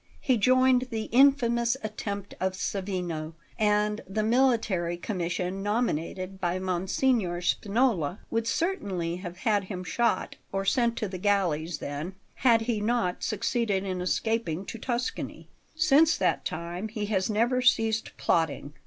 He joined the infamous attempt of Savigno, and the military commission nominated by Monsignor Spinola would certainly have had him shot or sent to the galleys then, had he not succeeded in escaping to Tuscany. Since that time he has never ceased plotting.